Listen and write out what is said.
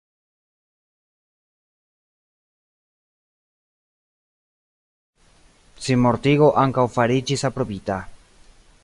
Sinmortigo ankaŭ fariĝis aprobita.